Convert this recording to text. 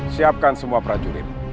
siapkan semua prajurit